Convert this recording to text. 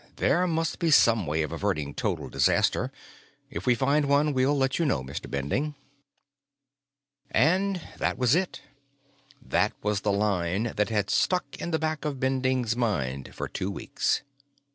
There must be some way of averting total disaster. If we find one, we'll let you know, Mr. Bending." And that was it. That was the line that had stuck in the back of Bending's mind for two weeks.